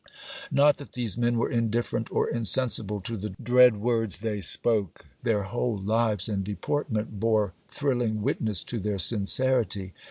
Not that these men were indifferent or insensible to the dread words they spoke; their whole lives and deportment bore thrilling witness to their sincerity.